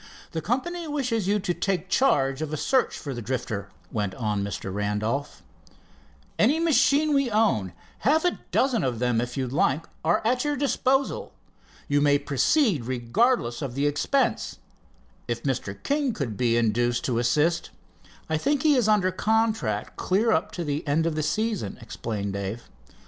"The company wishes you to take charge of a search for the Drifter," went on Mr. Randolph. "Any machine we own, half a dozen of them if you like, are at your disposal. You may proceed regardless of the expense. If Mr. King could be induced to assist " "I think he is under contract clear up to the end of the season," explained Dave.